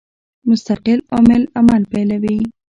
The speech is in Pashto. مستقل عامل عمل پیلوي.